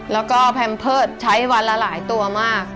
แล้วก็แพมเพิร์ตใช้วันละหลายตัวมาก